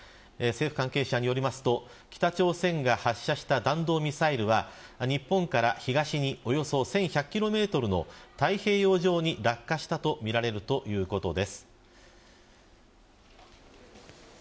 政府関係者によりますと北朝鮮が発射した弾道ミサイルは日本から東におよそ１１００キロメートルの太平洋上に落下したとみられるということです。